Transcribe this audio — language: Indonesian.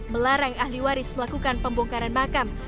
melarang ahli waris melakukan pembongkaran makam